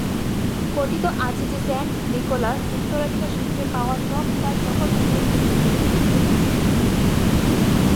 কথিত আছে যে, সেন্ট নিকোলাস উত্তরাধিকারসূত্রে পাওয়া সব তার সকল ধন-সম্পত্তি গরিব-দুঃখীদের মাঝে বিলিয়ে দিয়েছিলেন।